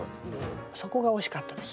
そこが惜しかったです。